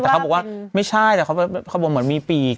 แต่เขาบอกว่าไม่ใช่แต่เขาบอกเหมือนมีปีก